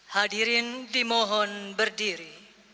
hadirin dimohon berdiri